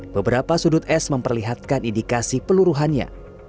beberapa sudut es memperlihatkan indikasi peluruhannya